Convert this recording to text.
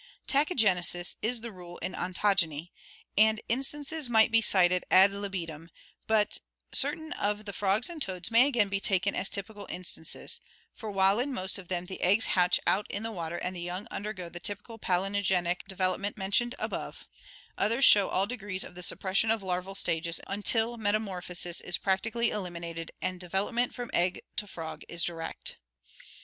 Tachygenesis is the rule in on togeny, and instances might be cited ad libitum, but certain of the frogs and toads may again be taken as typical instances, for while in most of them the eggs hatch out in water and the young undergo the typical palingenetic development mentioned above, others show all degrees of the suppression of larval stages until metamorphosis is prac tically eliminated and development from egg to frog is direct.